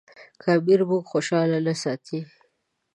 که امیر موږ خوشاله نه ساتي.